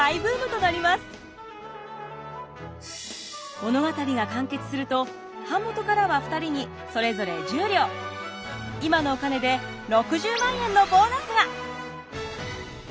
物語が完結すると版元からは２人にそれぞれ１０両今のお金で６０万円のボーナスが！